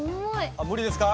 あっ無理ですか？